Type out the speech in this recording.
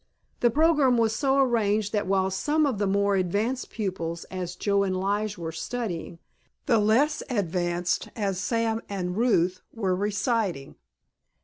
The program was so arranged that while some of the more advanced pupils, as Joe and Lige, were studying, the less advanced, as Sam and Ruth, were reciting.